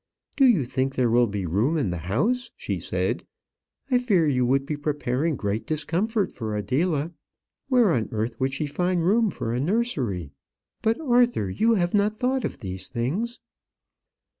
"Do you think there will be room in the house?" she said. "I fear you would be preparing great discomfort for Adela. Where on earth would she find room for a nursery? But, Arthur, you have not thought of these things."